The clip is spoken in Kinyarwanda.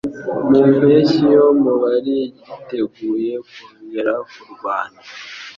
Mu mpeshyi yo mu bari biteguye kongera kurwana.